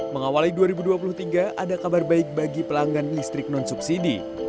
mengawali dua ribu dua puluh tiga ada kabar baik bagi pelanggan listrik non subsidi